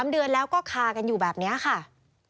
๓เดือนแล้วก็คากันอยู่แบบนี้ค่ะ